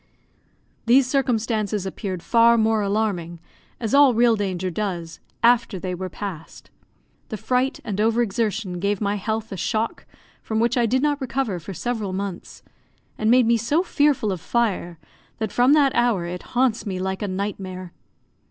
These circumstances appeared far more alarming, as all real danger does, after they were past. The fright and over exertion gave my health a shock from which I did not recover for several months, and made me so fearful of fire, that from that hour it haunts me like a nightmare.